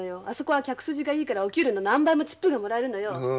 あそこは客筋がいいからお給料の何倍もチップがもらえるのよ！